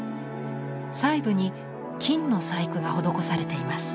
細部に金の細工が施されています。